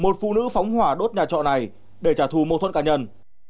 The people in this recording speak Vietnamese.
một phụ nữ phóng hỏa đốt nhà trọ này để trả thù mô thuẫn cá nhân